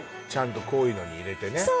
ちゃんとこういうのに入れてね